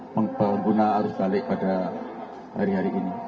membawa arus balik pada hari hari ini